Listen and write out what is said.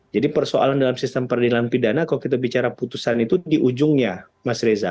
jadi persoalan dalam sistem perdilangan pidana kalau kita bicara putusan itu di ujungnya mas reza